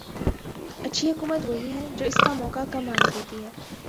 اچھی حکومت وہی ہے جو اس کا موقع کم آنے دیتی ہے۔